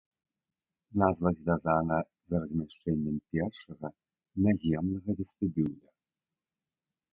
Назва звязана з размяшчэннем першага наземнага вестыбюля.